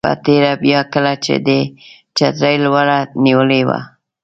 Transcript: په تېره بیا کله چې دې چترۍ لوړه نیولې وه.